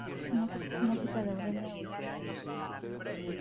Música de Aurelia Eulalia López Martín.